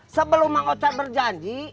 sebelum mang ochar berjanji